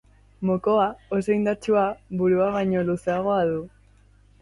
Mokoa, oso indartsua, burua baino luzeagoa du.